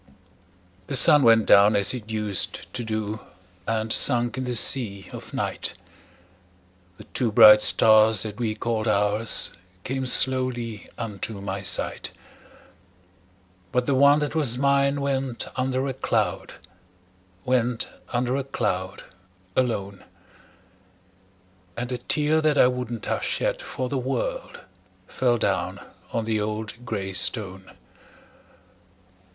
The sun went down as it used to do, And sunk in the sea of night; The two bright stars that we called ours Came slowly unto my sight; But the one that was mine went under a cloud Went under a cloud, alone; And a tear that I wouldn't have shed for the world, Fell down on the old gray stone.